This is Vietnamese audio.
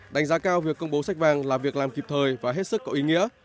đánh giá cao việc công bố sách vàng là việc làm kịp thời và hết sức có ý nghĩa